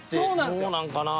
どうなんかなぁ。